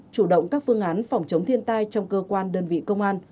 chủ động các phương án phòng chống thiên tai trong cơ quan đơn vị công an